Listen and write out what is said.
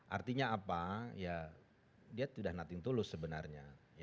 artinya apa dia tidak nothing to lose sebenarnya